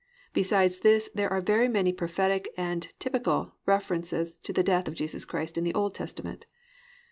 Besides this there are very many prophetic and typical references to the death of Jesus Christ in the Old Testament.